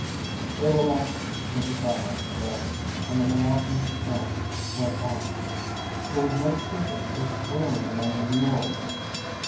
They relapsed into silence then, and the monotonous tramp went on. There was no kicking or squealing among the mules.